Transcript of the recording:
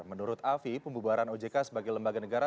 menurut afi pembubaran ojk sebagai lembaga negara